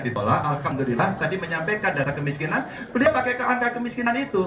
ditolak alhamdulillah tadi menyampaikan data kemiskinan beli pakai keangkat kemiskinan itu